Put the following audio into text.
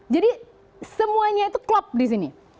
jadi semuanya itu klop di sini